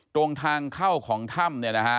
ตรงทางเข้าของถ้ำเนี่ยนะฮะ